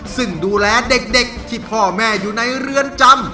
ซึ่งดูแลเด็กที่พ่อแม่อยู่ในเรือนจำ